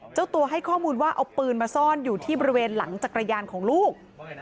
เจ้าตัวให้ข้อมูลว่าเอาปืนมาซ่อนอยู่ที่บริเวณหลังจักรยานของลูก